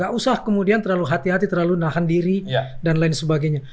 gak usah kemudian terlalu hati hati terlalu nahan diri dan lain sebagainya